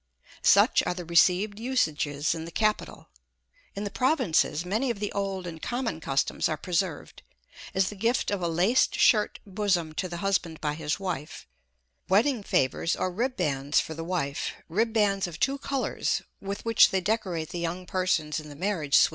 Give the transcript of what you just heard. Such are the received usages in the capital. In the provinces, many of the old and common customs are preserved, as the gift of a laced shirt bosom to the husband by his wife; wedding favors or ribbands for the wife, ribbands of two colors with which they decorate the young persons in the marriage suite, &c.